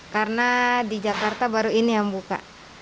karena di jakarta baru ini yang buka